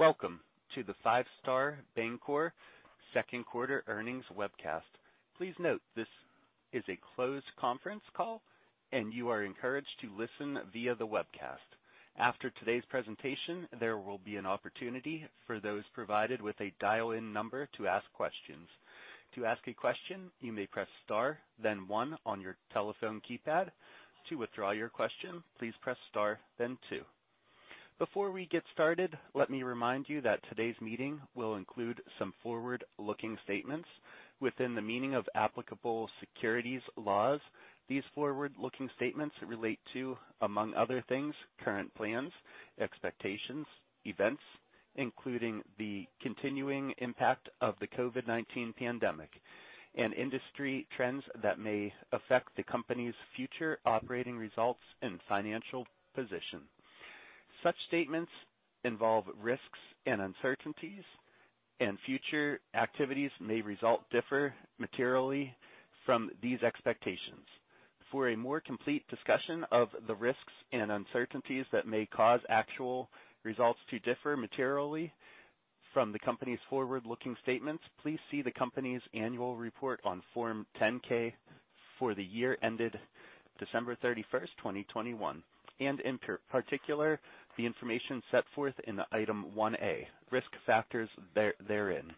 Welcome to the Five Star Bancorp Second Quarter Earnings Webcast. Please note this is a closed conference call and you are encouraged to listen via the webcast. After today's presentation, there will be an opportunity for those provided with a dial-in number to ask questions. To ask a question, you may press star then one on your telephone keypad. To withdraw your question, please press star then two. Before we get started, let me remind you that today's meeting will include some forward-looking statements within the meaning of applicable securities laws. These forward-looking statements relate to, among other things, current plans, expectations, events, including the continuing impact of the COVID-19 pandemic and industry trends that may affect the company's future operating results and financial position. Such statements involve risks and uncertainties, and future activities may results differ materially from these expectations. For a more complete discussion of the risks and uncertainties that may cause actual results to differ materially from the company's forward-looking statements, please see the company's annual report on Form 10-K for the year ended December 31st, 2021, and in particular, the information set forth in Item 1A, Risk Factors therein.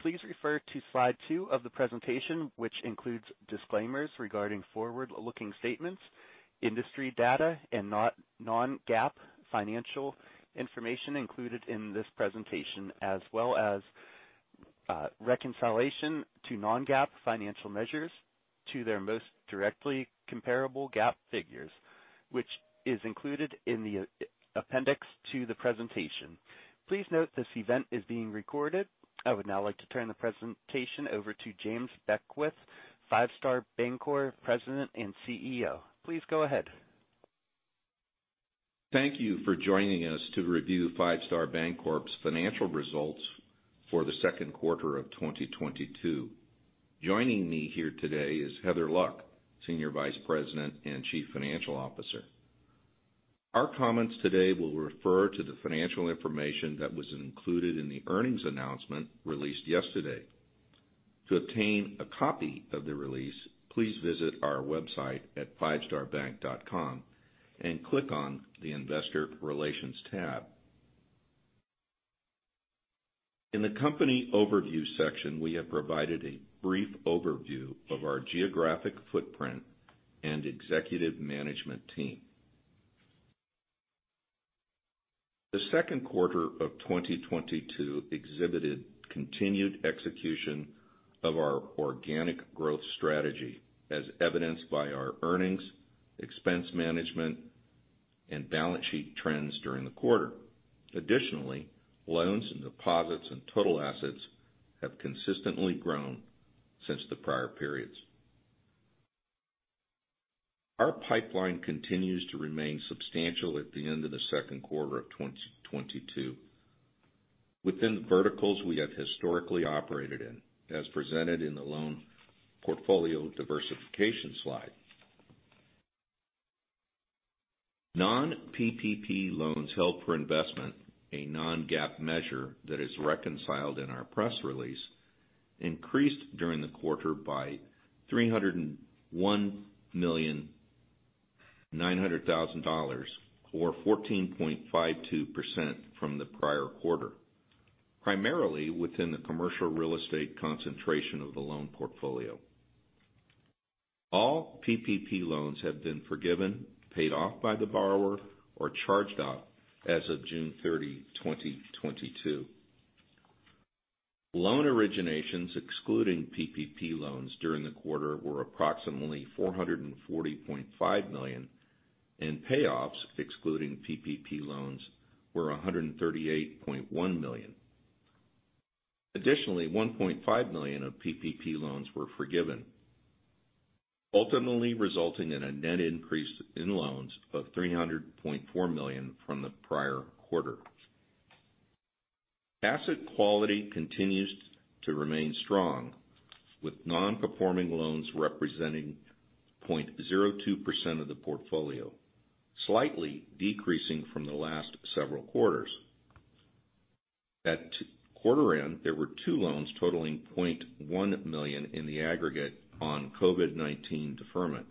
Please refer to slide two of the presentation, which includes disclaimers regarding forward-looking statements, industry data, and non-GAAP financial information included in this presentation, as well as reconciliation to non-GAAP financial measures to their most directly comparable GAAP figures, which is included in the appendix to the presentation. Please note this event is being recorded. I would now like to turn the presentation over to James Beckwith, Five Star Bancorp President and CEO. Please go ahead. Thank you for joining us to review Five Star Bancorp's Financial Results for the Second Quarter of 2022. Joining me here today is Heather Luck, Senior Vice President and Chief Financial Officer. Our comments today will refer to the financial information that was included in the earnings announcement released yesterday. To obtain a copy of the release, please visit our website at fivestarbank.com and click on the Investor Relations tab. In the company overview section, we have provided a brief overview of our geographic footprint and executive management team. The second quarter of 2022 exhibited continued execution of our organic growth strategy, as evidenced by our earnings, expense management, and balance sheet trends during the quarter. Additionally, loans and deposits and total assets have consistently grown since the prior periods. Our pipeline continues to remain substantial at the end of the second quarter of 2022 within the verticals we have historically operated in, as presented in the loan portfolio diversification slide. Non-PPP loans held for investment, a non-GAAP measure that is reconciled in our press release, increased during the quarter by $301.9 million, or 14.52% from the prior quarter, primarily within the commercial real estate concentration of the loan portfolio. All PPP loans have been forgiven, paid off by the borrower, or charged off as of June 30, 2022. Loan originations excluding PPP loans during the quarter were approximately $440.5 million, and payoffs excluding PPP loans were $138.1 million. Additionally, $1.5 million of PPP loans were forgiven, ultimately resulting in a net increase in loans of $300.4 million from the prior quarter. Asset quality continues to remain strong, with non-performing loans representing 0.02% of the portfolio, slightly decreasing from the last several quarters. At quarter end, there were two loans totaling $0.1 million in the aggregate on COVID-19 deferment.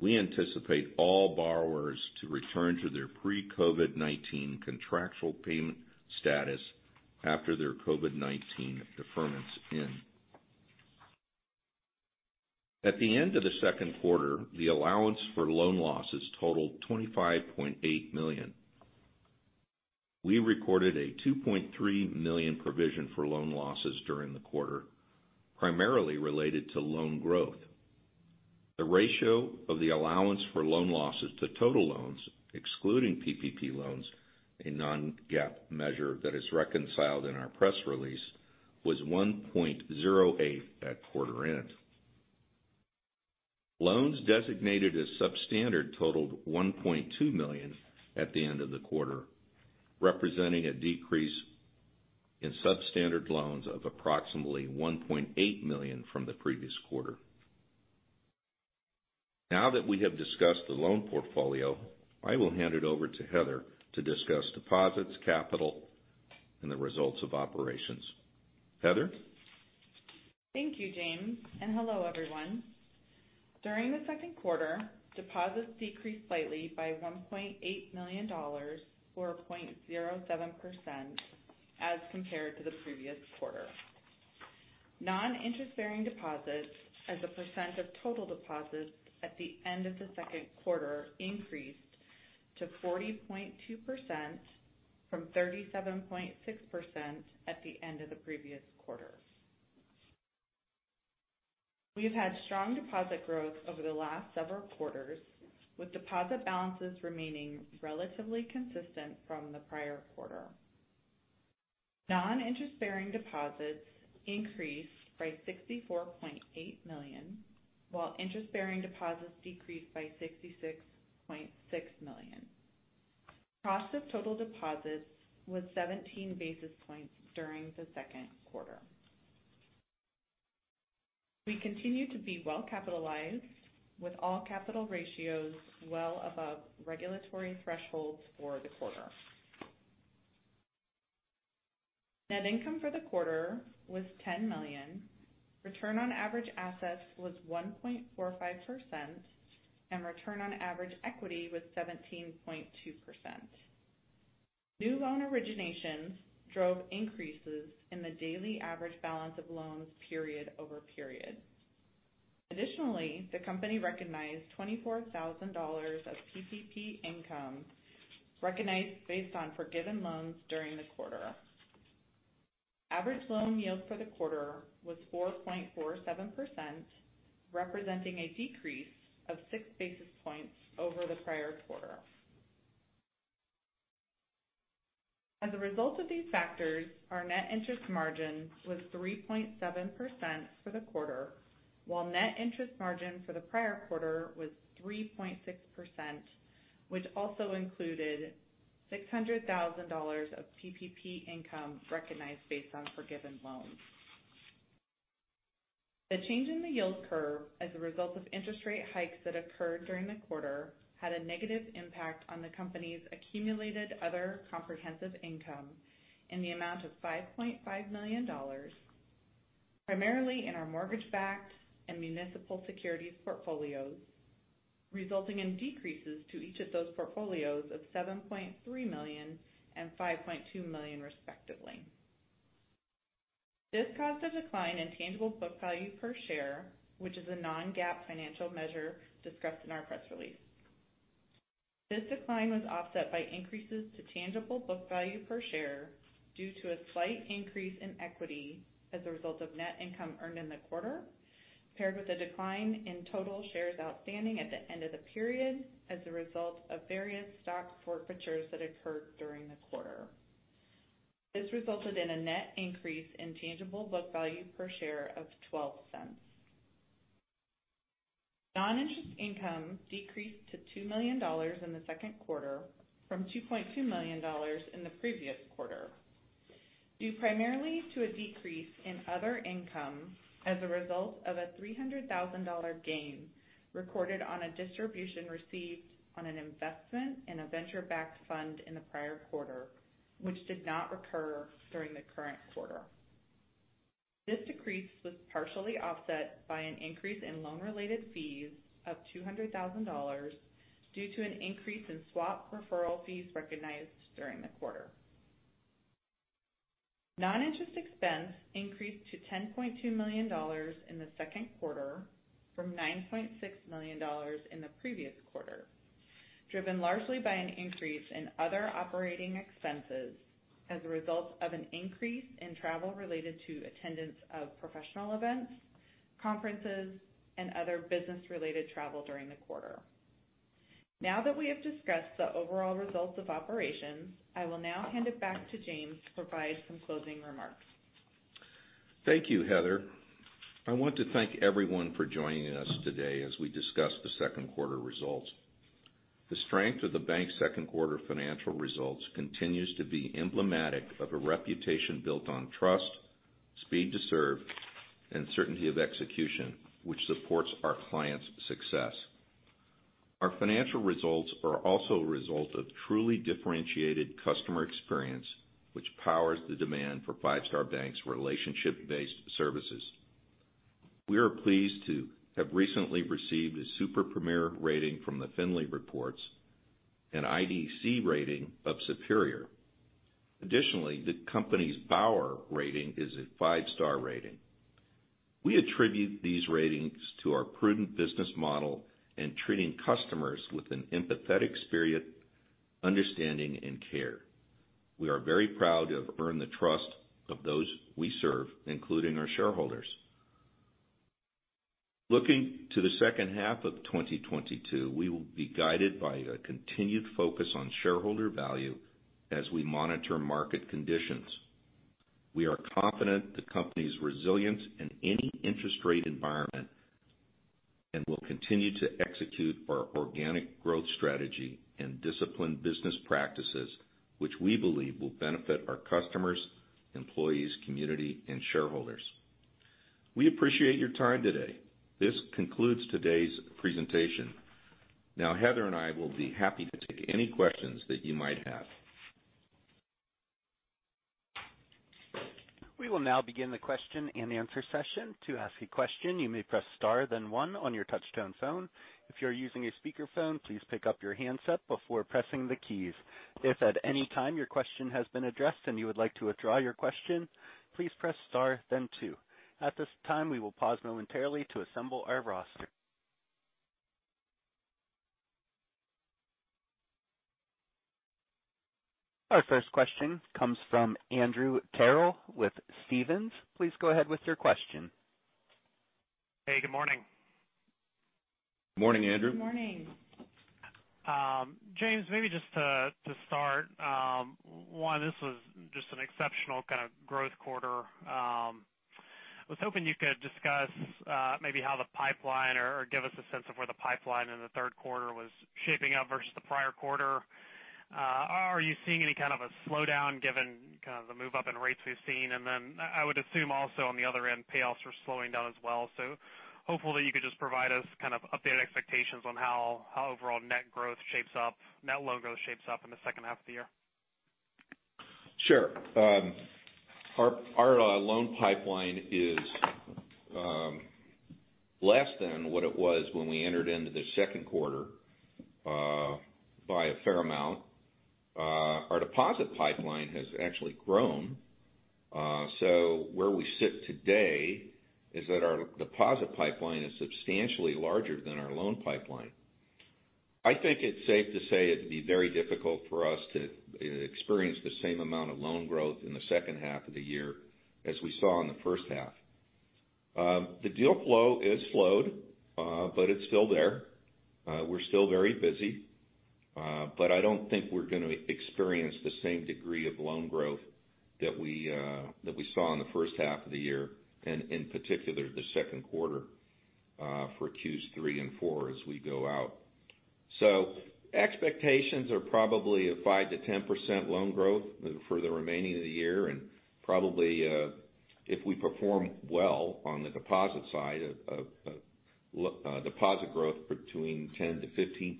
We anticipate all borrowers to return to their pre-COVID-19 contractual payment status after their COVID-19 deferments end. At the end of the second quarter, the allowance for loan losses totaled $25.8 million. We recorded a $2.3 million provision for loan losses during the quarter, primarily related to loan growth. The ratio of the allowance for loan losses to total loans excluding PPP loans, a non-GAAP measure that is reconciled in our press release, was 1.08% at quarter end. Loans designated as substandard totaled $1.2 million at the end of the quarter, representing a decrease in substandard loans of approximately $1.8 million from the previous quarter. Now that we have discussed the loan portfolio, I will hand it over to Heather to discuss deposits, capital, and the results of operations. Heather? Thank you, James, and hello, everyone. During the second quarter, deposits decreased slightly by $1.8 million, or 0.07% as compared to the previous quarter. Non-interest-bearing deposits as a percent of total deposits at the end of the second quarter increased to 40.2% from 37.6% at the end of the previous quarter. We've had strong deposit growth over the last several quarters, with deposit balances remaining relatively consistent from the prior quarter. Non-interest-bearing deposits increased by $64.8 million, while interest-bearing deposits decreased by $66.6 million. Cost of total deposits was 17 basis points during the second quarter. We continue to be well-capitalized, with all capital ratios well above regulatory thresholds for the quarter. Net income for the quarter was $10 million. Return on average assets was 1.45%, and return on average equity was 17.2%. New loan originations drove increases in the daily average balance of loans period over period. Additionally, the company recognized $24,000 of PPP income based on forgiven loans during the quarter. Average loan yield for the quarter was 4.47%, representing a decrease of 6 basis points over the prior quarter. As a result of these factors, our net interest margin was 3.7% for the quarter, while net interest margin for the prior quarter was 3.6%, which also included $600,000 of PPP income recognized based on forgiven loans. The change in the yield curve as a result of interest rate hikes that occurred during the quarter had a negative impact on the company's accumulated other comprehensive income in the amount of $5.5 million, primarily in our mortgage-backed and municipal securities portfolios, resulting in decreases to each of those portfolios of $7.3 million and $5.2 million, respectively. This caused a decline in tangible book value per share, which is a non-GAAP financial measure discussed in our press release. This decline was offset by increases to tangible book value per share due to a slight increase in equity as a result of net income earned in the quarter, paired with a decline in total shares outstanding at the end of the period as a result of various stock forfeitures that occurred during the quarter. This resulted in a net increase in tangible book value per share of $0.12. Non-interest income decreased to $2 million in the second quarter from $2.2 million in the previous quarter, due primarily to a decrease in other income as a result of a $300,000 gain recorded on a distribution received on an investment in a venture-backed fund in the prior quarter, which did not recur during the current quarter. This decrease was partially offset by an increase in loan-related fees of $200,000 due to an increase in swap referral fees recognized during the quarter. Non-interest expense increased to $10.2 million in the second quarter from $9.6 million in the previous quarter, driven largely by an increase in other operating expenses as a result of an increase in travel related to attendance of professional events, conferences, and other business-related travel during the quarter. Now that we have discussed the overall results of operations, I will now hand it back to James to provide some closing remarks. Thank you, Heather. I want to thank everyone for joining us today as we discuss the second quarter results. The strength of the bank's second quarter financial results continues to be emblematic of a reputation built on trust, speed to serve, and certainty of execution, which supports our clients' success. Our financial results are also a result of truly differentiated customer experience, which powers the demand for Five Star Bank's relationship-based services. We are pleased to have recently received a Super Premier rating from the Findley Reports, an IDC rating of Superior. Additionally, the company's Bauer rating is a five-star rating. We attribute these ratings to our prudent business model and treating customers with an empathetic spirit, understanding, and care. We are very proud to have earned the trust of those we serve, including our shareholders. Looking to the second half of 2022, we will be guided by a continued focus on shareholder value as we monitor market conditions. We are confident in the company's resilience in any interest rate environment and will continue to execute our organic growth strategy and disciplined business practices, which we believe will benefit our customers, employees, community, and shareholders. We appreciate your time today. This concludes today's presentation. Now, Heather and I will be happy to take any questions that you might have. We will now begin the question-and-answer session. To ask a question, you may press star then one on your touchtone phone. If you're using a speakerphone, please pick up your handset before pressing the keys. If at any time your question has been addressed and you would like to withdraw your question, please press star then two. At this time, we will pause momentarily to assemble our roster. Our first question comes from Andrew Terrell with Stephens. Please go ahead with your question. Hey, good morning. Morning, Andrew. Morning. James, maybe just to start, this was just an exceptional kind of growth quarter. I was hoping you could discuss maybe how the pipeline or give us a sense of where the pipeline in the third quarter was shaping up versus the prior quarter. Are you seeing any kind of a slowdown given kind of the move up in rates we've seen? Then I would assume also on the other end, payoffs are slowing down as well. Hopefully you could just provide us kind of updated expectations on how overall net loan growth shapes up in the second half of the year. Sure. Our loan pipeline is less than what it was when we entered into the second quarter by a fair amount. Our deposit pipeline has actually grown. Where we sit today is that our deposit pipeline is substantially larger than our loan pipeline. I think it's safe to say it'd be very difficult for us to experience the same amount of loan growth in the second half of the year as we saw in the first half. The deal flow has slowed, but it's still there. We're still very busy. I don't think we're gonna experience the same degree of loan growth that we saw in the first half of the year, and in particular, the second quarter, for Q3 and Q4 as we go out. Expectations are probably a 5%-10% loan growth for the remainder of the year and probably, if we perform well on the deposit side, deposit growth between 10%-15%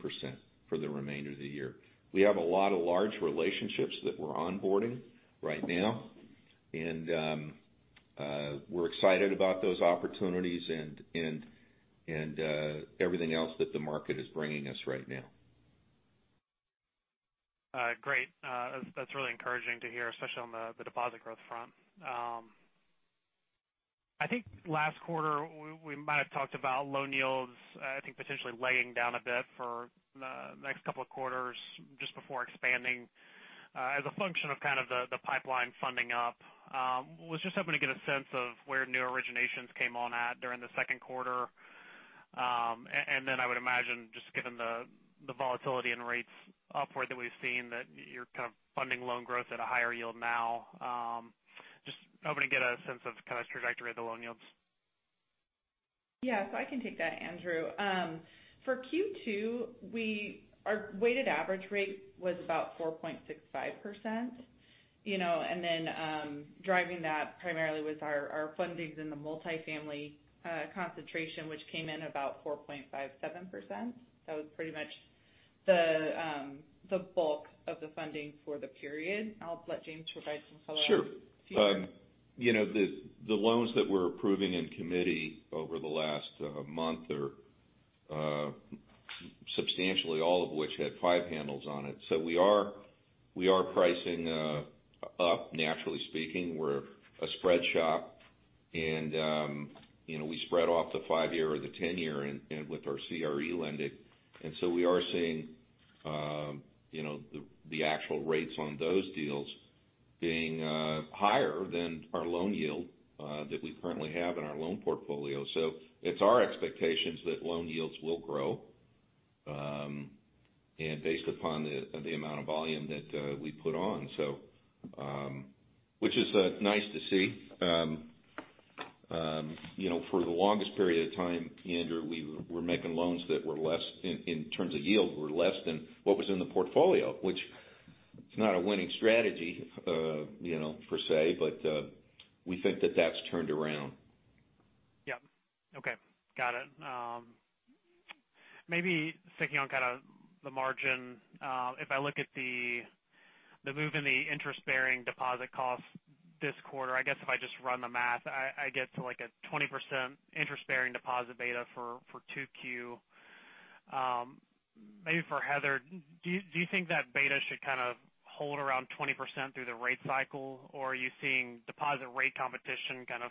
for the remainder of the year. We have a lot of large relationships that we're onboarding right now, and we're excited about those opportunities and everything else that the market is bringing us right now. Great. That's really encouraging to hear, especially on the deposit growth front. I think last quarter, we might have talked about loan yields, I think, potentially lying down a bit for the next couple of quarters just before expanding, as a function of kind of the pipeline funding up. I was just hoping to get a sense of where new originations came in at during the second quarter. And then I would imagine just given the volatility in rates upward that we've seen that you're kind of funding loan growth at a higher yield now. I was just hoping to get a sense of kind of trajectory of the loan yields. Yeah. I can take that, Andrew. For Q2, our weighted average rate was about 4.65%, you know. Driving that primarily was our fundings in the multifamily concentration, which came in about 4.57%. It was pretty much the bulk of the funding for the period. I'll let James provide some color. Sure. If he- You know, the loans that we're approving in committee over the last month or substantially all of which had five handles on it. We are pricing up naturally speaking. We're a spread shop and, you know, we spread off the five year or the 10-year and with our CRE lending. We are seeing, you know, the actual rates on those deals being higher than our loan yield that we currently have in our loan portfolio. It's our expectations that loan yields will grow and based upon the amount of volume that we put on. Which is nice to see. You know, for the longest period of time, Andrew, we were making loans that were less in terms of yield, were less than what was in the portfolio, which is not a winning strategy, you know, per se, but we think that that's turned around. Yeah. Okay. Got it. Maybe sticking on kind of the margin, if I look at the move in the interest-bearing deposit costs this quarter, I guess if I just run the math, I get to like a 20% interest-bearing deposit beta for 2Q. Maybe for Heather, do you think that beta should kind of hold around 20% through the rate cycle, or are you seeing deposit rate competition kind of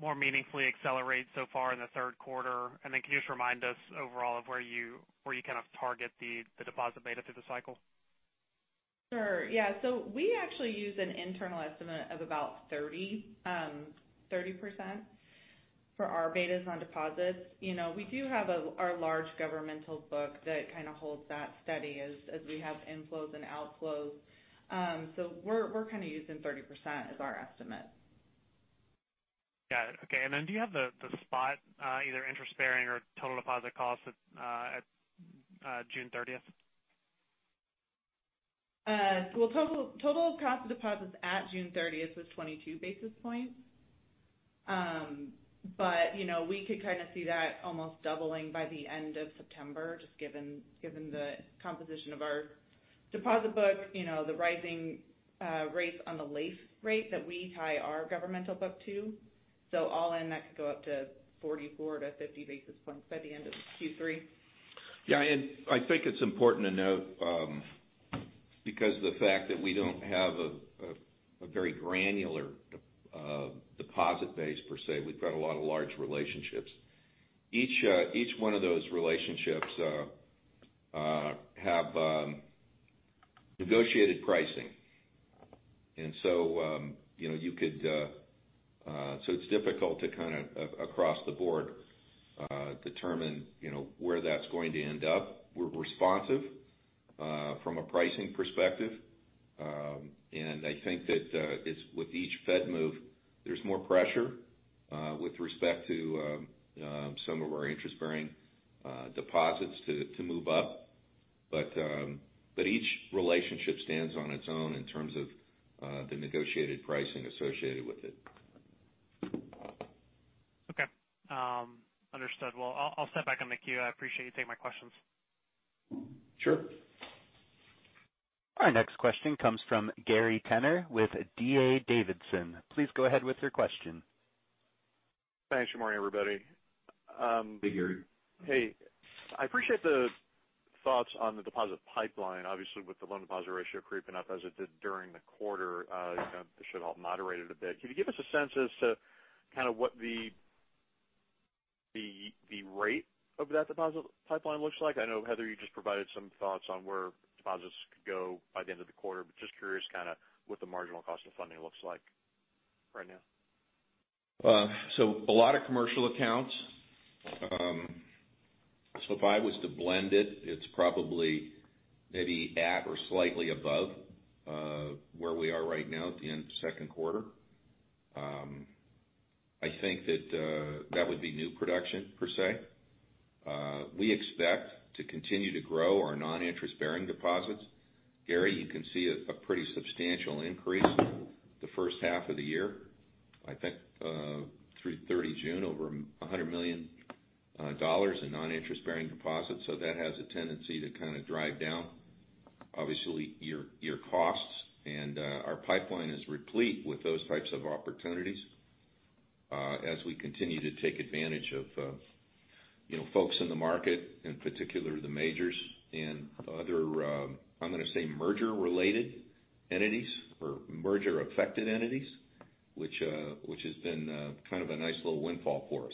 more meaningfully accelerate so far in the third quarter? Can you just remind us overall of where you kind of target the deposit beta through the cycle? Sure. Yeah. We actually use an internal estimate of about 30% for our betas on deposits. You know, we do have our large governmental book that kind of holds that steady as we have inflows and outflows. We're kind of using 30% as our estimate. Yeah. Okay. Do you have the spot, either interest bearing or total deposit costs at June 30th? Total cost of deposits at June 30th was 22 basis points. We could kind of see that almost doubling by the end of September, just given the composition of our deposit book, you know, the rising rates on the LAIF rate that we tie our governmental book to. All in, that could go up to 44-50 basis points by the end of Q3. Yeah. I think it's important to note, because of the fact that we don't have a very granular deposit base per se, we've got a lot of large relationships. Each one of those relationships have negotiated pricing. It's difficult to kind of across the board determine, you know, where that's going to end up. We're responsive from a pricing perspective. I think that it's with each Fed move, there's more pressure with respect to some of our interest-bearing deposits to move up. Each relationship stands on its own in terms of the negotiated pricing associated with it. Okay. Understood. Well, I'll step back on the queue. I appreciate you taking my questions. Sure. Our next question comes from Gary Tenner with D.A. Davidson. Please go ahead with your question. Thanks. Good morning, everybody. Hey, Gary. Hey. I appreciate the thoughts on the deposit pipeline, obviously with the loan deposit ratio creeping up as it did during the quarter. You know, this should help moderate it a bit. Could you give us a sense as to kind of what the rate of that deposit pipeline looks like? I know, Heather, you just provided some thoughts on where deposits could go by the end of the quarter, but just curious kind of what the marginal cost of funding looks like right now. A lot of commercial accounts. If I was to blend it's probably maybe at or slightly above where we are right now at the end of second quarter. I think that would be new production per se. We expect to continue to grow our non-interest bearing deposits. Gary, you can see a pretty substantial increase the first half of the year. I think through 30 June, over $100 million in non-interest bearing deposits. That has a tendency to kind of drive down, obviously your costs. Our pipeline is replete with those types of opportunities, as we continue to take advantage of, you know, folks in the market, in particular the majors and other, I'm gonna say merger-related entities or merger-affected entities, which has been kind of a nice little windfall for us.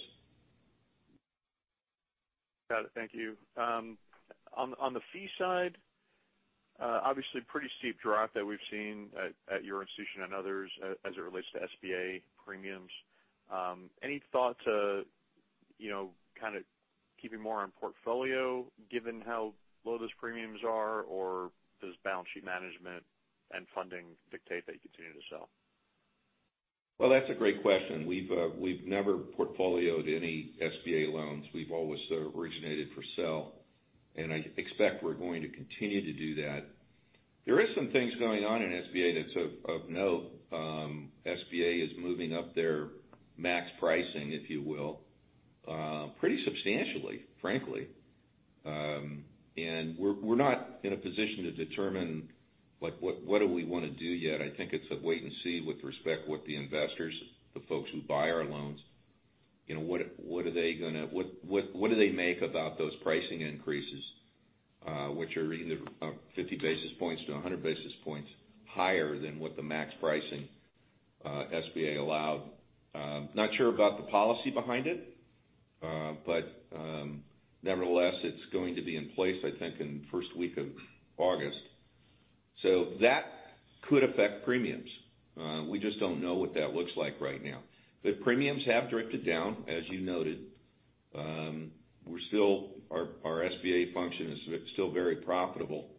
Got it. Thank you. On the fee side, obviously pretty steep drop that we've seen at your institution and others as it relates to SBA premiums. Any thought to, you know, kind of keeping more on portfolio given how low those premiums are? Or does balance sheet management and funding dictate that you continue to sell? Well, that's a great question. We've never portfolioed any SBA loans. We've always originated for sale, and I expect we're going to continue to do that. There is some things going on in SBA that's of note. SBA is moving up their max pricing, if you will, pretty substantially, frankly. We're not in a position to determine like, what do we wanna do yet. I think it's a wait and see with respect to what the investors, the folks who buy our loans, you know, what do they make about those pricing increases, which are either 50 basis points to 100 basis points higher than what the max pricing SBA allowed. Not sure about the policy behind it, but nevertheless it's going to be in place, I think, in the first week of August. That could affect premiums. We just don't know what that looks like right now. The premiums have drifted down, as you noted. Our SBA function is still very profitable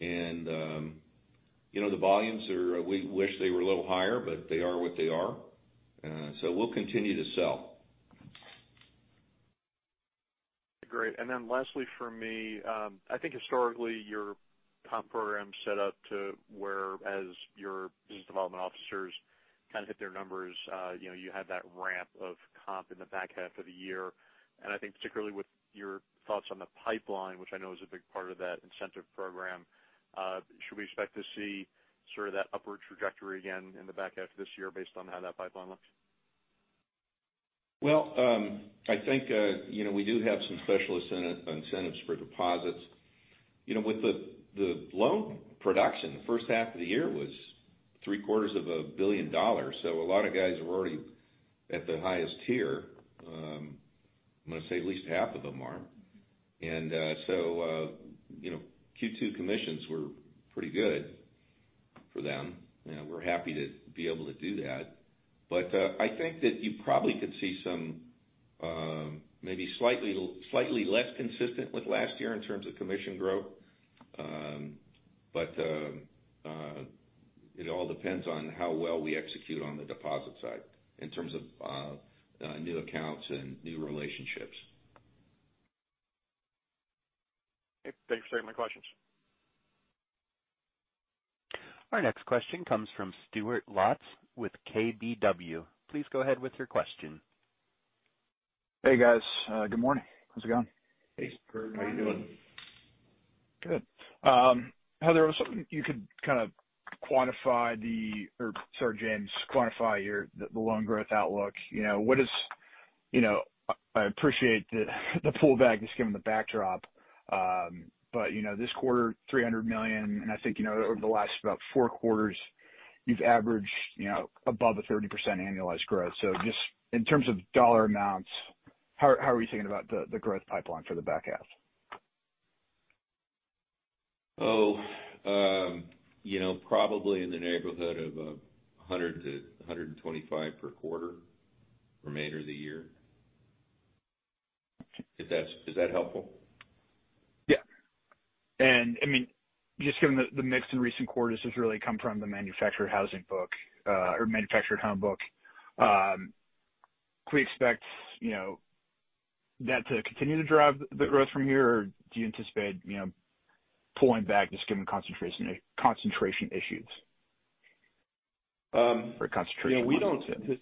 and, you know, the volumes, we wish they were a little higher, but they are what they are. We'll continue to sell. Great. Then lastly for me, I think historically your comp program's set up to where as your business development officers kind of hit their numbers, you know, you had that ramp of comp in the back half of the year. I think particularly with your thoughts on the pipeline, which I know is a big part of that incentive program, should we expect to see sort of that upward trajectory again in the back half of this year based on how that pipeline looks? Well, I think, you know, we do have some specialist incentives for deposits. You know, with the loan production, the first half of the year was $750 million. So a lot of guys were already at the highest tier. I'm gonna say at least half of them are. You know, Q2 commissions were pretty good for them. You know, we're happy to be able to do that. I think that you probably could see some maybe slightly less consistent with last year in terms of commission growth. It all depends on how well we execute on the deposit side in terms of new accounts and new relationships. Okay. Thanks for taking my questions. Our next question comes from Stuart Lotz with KBW. Please go ahead with your question. Hey, guys. Good morning. How's it going? Hey, Stuart. How you doing? Good. James, quantify the loan growth outlook. You know, what is, you know, I appreciate that the pullback, just given the backdrop. You know, this quarter, $300 million, and I think, you know, over the last about four quarters, you've averaged, you know, above 30% annualized growth. Just in terms of dollar amounts, how are you thinking about the growth pipeline for the back half? Oh, you know, probably in the neighborhood of $100 million-$125 million per quarter remainder of the year. Is that helpful? I mean, just given the mix in recent quarters has really come from the manufactured housing book, or manufactured home book. Can we expect, you know, that to continue to drive the growth from here? Or do you anticipate, you know, pulling back, just given concentration issues? Um, you know, we don't- Concentration mindset.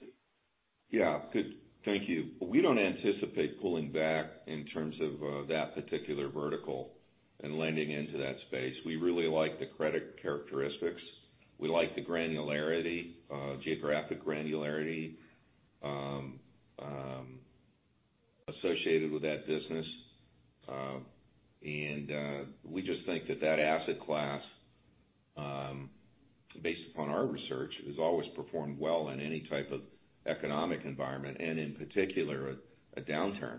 Yeah. Good. Thank you. We don't anticipate pulling back in terms of, that particular vertical and lending into that space. We really like the credit characteristics. We like the granularity, geographic granularity, associated with that business. And, we just think that that asset class, based upon our research, has always performed well in any type of economic environment and in particular, a downturn.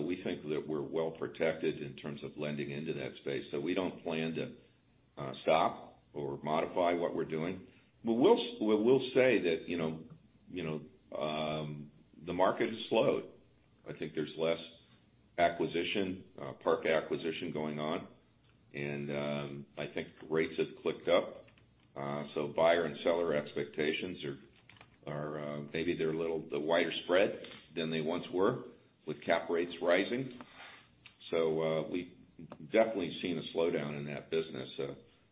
We think that we're well protected in terms of lending into that space. We don't plan to, stop or modify what we're doing. But we will say that, you know, the market has slowed. I think there's less acquisition, park acquisition going on. I think rates have clicked up. Buyer and seller expectations are wider spread than they once were with cap rates rising. We've definitely seen a slowdown in that business.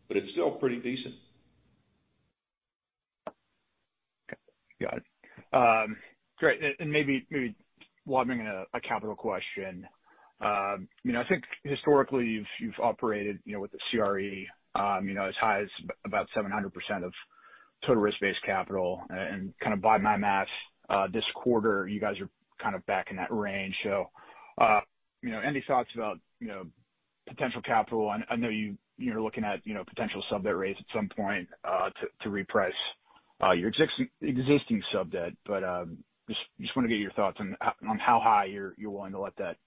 It's still pretty decent. Okay. Got it. Great. Maybe while I'm making a capital question. You know, I think historically you've operated, you know, with the CRE, you know, as high as about 700% of total risk-based capital. Kind of by my math, this quarter, you guys are kind of back in that range. You know, any thoughts about, you know, potential capital? I know you're looking at, you know, potential sub-debt rates at some point to reprice your existing sub-debt. Just wanna get your thoughts on how high you're willing to let that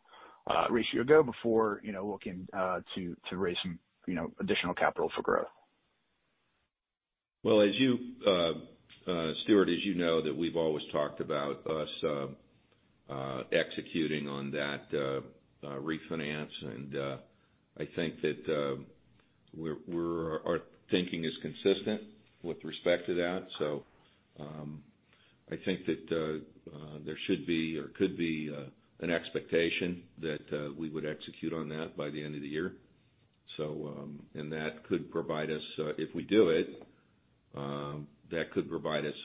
ratio go before, you know, looking to raise some, you know, additional capital for growth. Well, as you, Stuart, as you know that we've always talked about us executing on that refinance. I think that our thinking is consistent with respect to that. I think that there should be or could be an expectation that we would execute on that by the end of the year. That could provide us, if we do it,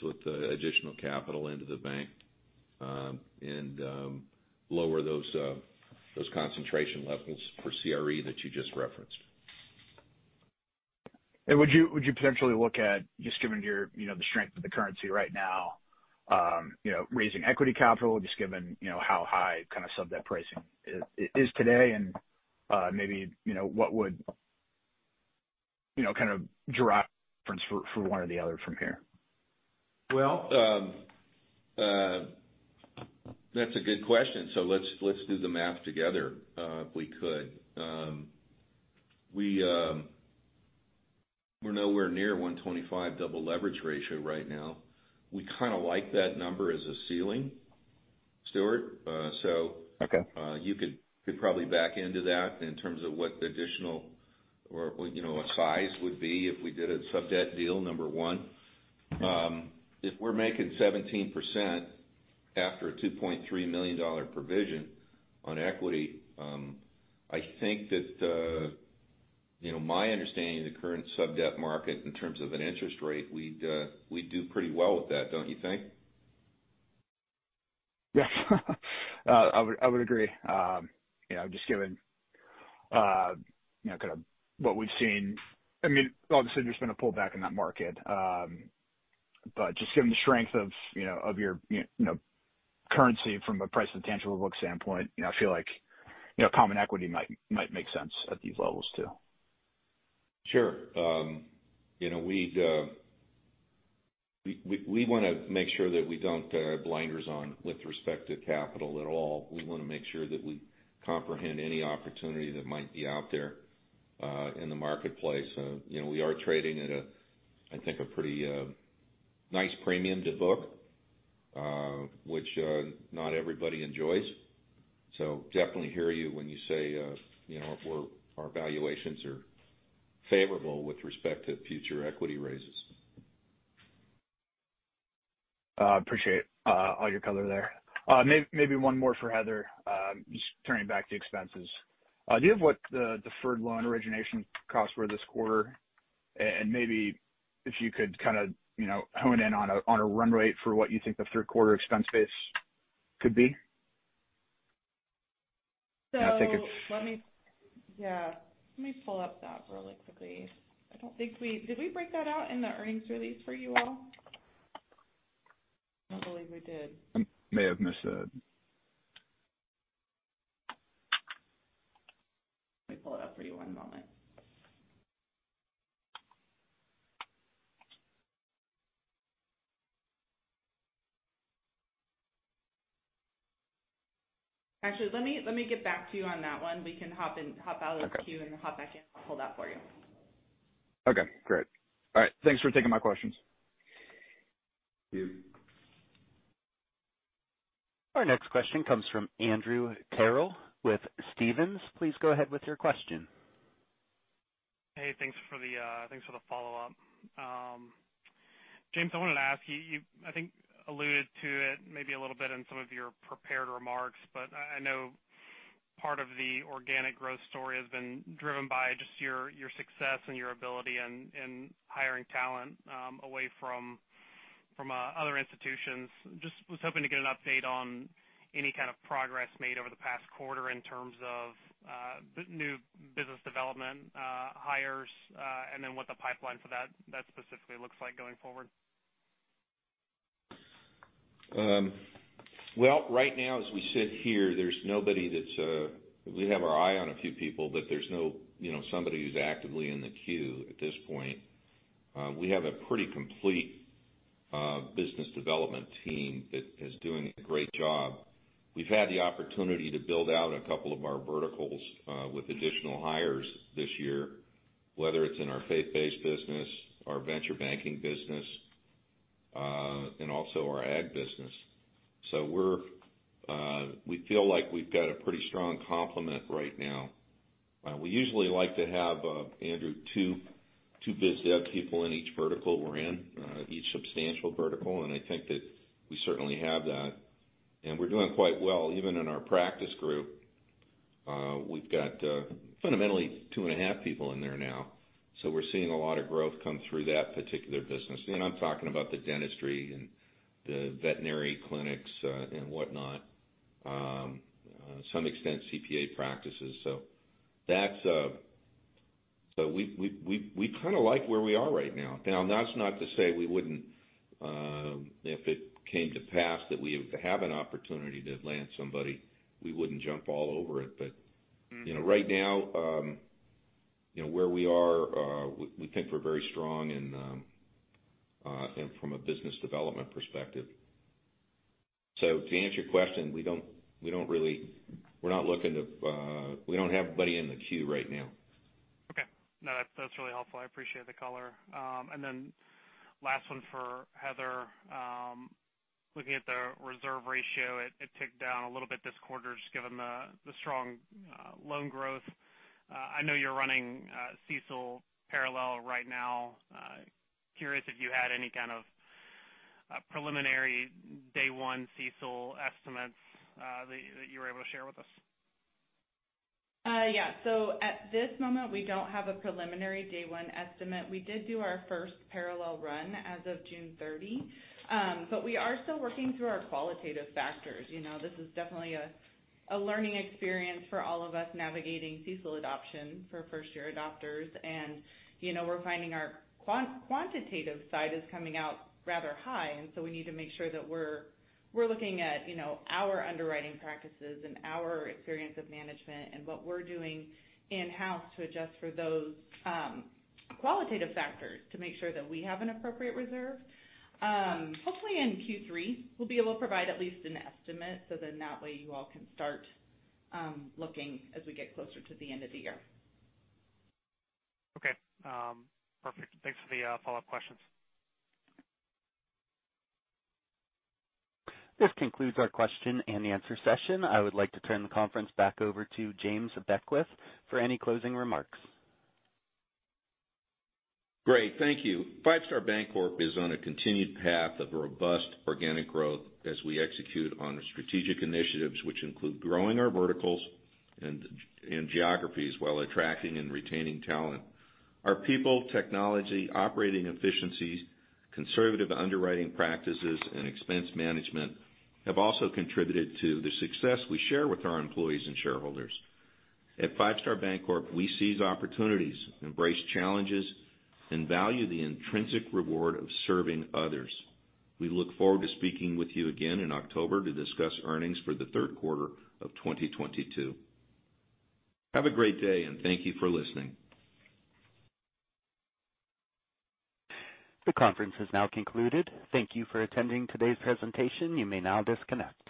with additional capital into the bank and lower those concentration levels for CRE that you just referenced. Would you potentially look at just given your, you know, the strength of the currency right now, you know, raising equity capital, just given, you know, how high kind of sub-debt pricing is today and, maybe, you know, what would, you know, kind of drive difference for one or the other from here? That's a good question. Let's do the math together, if we could. We're nowhere near 125% double leverage ratio right now. We kinda like that number as a ceiling, Stuart. Okay. You could probably back into that in terms of what a size would be if we did a sub-debt deal, number one. If we're making 17% after a $2.3 million provision on equity, I think that, you know, my understanding of the current sub-debt market in terms of an interest rate, we'd do pretty well with that, don't you think? Yeah. I would agree. You know, just given you know, kind of what we've seen. I mean, obviously, there's been a pullback in that market. But just given the strength of, you know, of your currency from a price to tangible book standpoint, you know, I feel like, you know, common equity might make sense at these levels too. Sure. You know, we wanna make sure that we don't have blinders on with respect to capital at all. We wanna make sure that we comprehend any opportunity that might be out there in the marketplace. You know, we are trading at a, I think, a pretty nice premium to book, which not everybody enjoys. Definitely hear you when you say, you know, our valuations are favorable with respect to future equity raises. Appreciate all your color there. Maybe one more for Heather. Just turning back to expenses. Do you have what the deferred loan origination costs were this quarter? And maybe if you could kinda, you know, hone in on a run rate for what you think the third quarter expense base could be? So let me- I think it's- Yeah. Let me pull up that really quickly. I don't think we did. Did we break that out in the earnings release for you all? I don't believe we did. May have missed that. Let me pull it up for you. One moment. Actually, let me get back to you on that one. We can hop in, hop out. Okay. out of the queue and hop back in. I'll pull that for you. Okay, great. All right, thanks for taking my questions. Thank you. Our next question comes from Andrew Terrell with Stephens. Please go ahead with your question. Hey, thanks for the follow-up. James, I wanted to ask you, I think you alluded to it maybe a little bit in some of your prepared remarks, but I know part of the organic growth story has been driven by just your success and your ability in hiring talent away from other institutions. I was hoping to get an update on any kind of progress made over the past quarter in terms of new business development, hires, and then what the pipeline for that specifically looks like going forward. Well, right now as we sit here, there's nobody that's we have our eye on a few people, but there's no, you know, somebody who's actively in the queue at this point. We have a pretty complete business development team that is doing a great job. We've had the opportunity to build out a couple of our verticals with additional hires this year, whether it's in our faith-based business, our venture banking business, and also our Ag business. We feel like we've got a pretty strong complement right now. We usually like to have, Andrew, two biz dev people in each vertical we're in, each substantial vertical, and I think that we certainly have that. We're doing quite well even in our practice group. We've got fundamentally two and a half people in there now. We're seeing a lot of growth come through that particular business, and I'm talking about the dentistry and the veterinary clinics, and whatnot, to some extent CPA practices. We kinda like where we are right now. That's not to say we wouldn't, if it came to pass that we have an opportunity to land somebody, we wouldn't jump all over it. Mm-hmm. You know, right now, you know, where we are, we think we're very strong and from a business development perspective. To answer your question, we don't really. We're not looking to. We don't have anybody in the queue right now. Okay. No, that's really helpful. I appreciate the color. Last one for Heather. Looking at the reserve ratio, it ticked down a little bit this quarter just given the strong loan growth. I know you're running CECL parallel right now. Curious if you had any kind of preliminary day one CECL estimates that you were able to share with us. At this moment, we don't have a preliminary day one estimate. We did do our first parallel run as of June 30. But we are still working through our qualitative factors. You know, this is definitely a learning experience for all of us navigating CECL adoption for first-year adopters. You know, we're finding our quantitative side is coming out rather high, and so we need to make sure that we're looking at, you know, our underwriting practices and our experience of management and what we're doing in-house to adjust for those qualitative factors to make sure that we have an appropriate reserve. Hopefully in Q3, we'll be able to provide at least an estimate so then that way you all can start looking as we get closer to the end of the year. Okay. Perfect. Thanks for the follow-up questions. This concludes our question-and-answer session. I would like to turn the conference back over to James Beckwith for any closing remarks. Great. Thank you. Five Star Bancorp is on a continued path of robust organic growth as we execute on strategic initiatives which include growing our verticals and geographies while attracting and retaining talent. Our people, technology, operating efficiencies, conservative underwriting practices, and expense management have also contributed to the success we share with our employees and shareholders. At Five Star Bancorp, we seize opportunities and embrace challenges and value the intrinsic reward of serving others. We look forward to speaking with you again in October to discuss earnings for the third quarter of 2022. Have a great day, and thank you for listening. The conference is now concluded. Thank you for attending today's presentation. You may now disconnect.